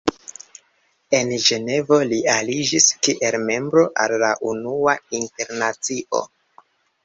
En Ĝenevo, li aliĝis kiel membro al la Unua Internacio.